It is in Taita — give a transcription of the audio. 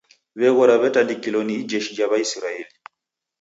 W'eghora w'atandikilo ni ijeshi ja w'aisraeli